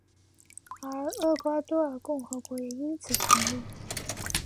而厄瓜多尔共和国也因此成立。